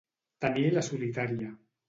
Tenir la solitària.